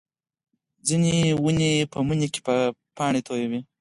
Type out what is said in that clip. ځینې ونې په مني کې پاڼې تویوي